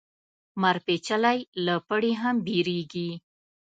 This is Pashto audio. مار چیچلی له پړي هم بېريږي.